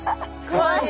怖い。